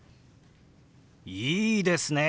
いいですね！